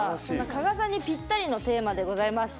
加賀さんにぴったりのテーマでございます。